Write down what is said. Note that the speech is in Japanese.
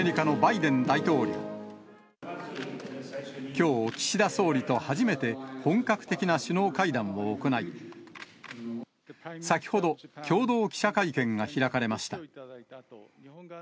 きょう、岸田総理と初めて本格的な首脳会談を行い、先ほど、共同記者会見が開かれました。